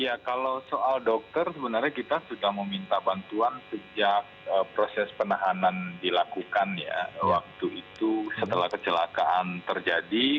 ya kalau soal dokter sebenarnya kita sudah meminta bantuan sejak proses penahanan dilakukan ya waktu itu setelah kecelakaan terjadi